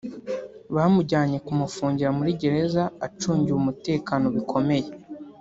bamujyanye kumufungira muri Gereza acungiwe umutekano bikomeye